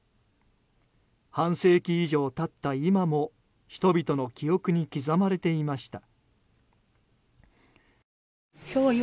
半世紀以上経った今も人々の記憶に刻まれていました。